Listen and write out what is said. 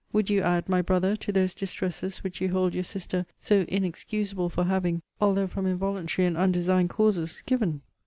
Would you add, my Brother, to those distresses which you hold your sister so inexcusable for having (although from involuntary and undersigned causes) given?